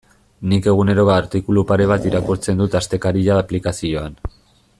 Nik egunero artikulu pare bat irakurtzen dut Astekaria aplikazioan.